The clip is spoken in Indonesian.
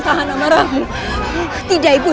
tahan dong tidak mahal